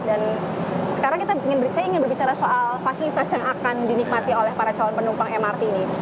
sekarang saya ingin berbicara soal fasilitas yang akan dinikmati oleh para calon penumpang mrt ini